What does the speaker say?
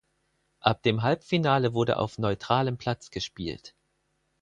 Ab dem Halbfinale wurde auf neutralem Platz gespielt.